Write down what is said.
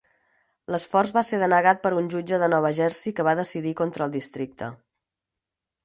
L'esforç va ser denegat per un jutge de Nova Jersey que va decidir contra el districte.